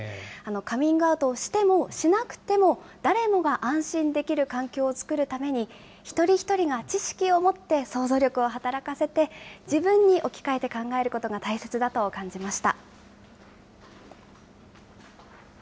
カミングアウトをしてもしなくても、誰もが安心できる環境を作るために、一人一人が知識を持って想像力を働かせて、自分に置き換えて考えることが大切だと感じました。